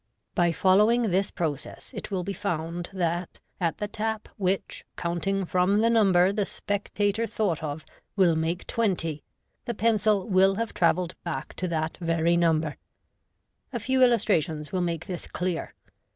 By following this process it will be 1U MODERN MAGIC found that at the tap which, counting from the number the spectatoi thought of, will make twenty, the pencil will have travelled back to that very number. A few illustrations will make this clear.